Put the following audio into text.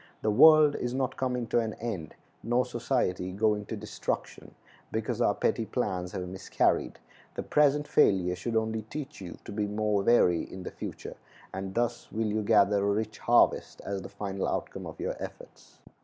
The world is not coming to an end, nor society going to destruction, because our petty plans have miscarried. The present failure should only teach you to be more wary in the future, and thus will you gather a rich harvest as the final outcome of your efforts.